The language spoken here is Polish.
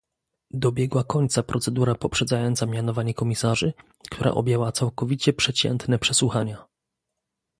Dobiegła końca procedura poprzedzająca mianowanie komisarzy, która objęła całkowicie przeciętne przesłuchania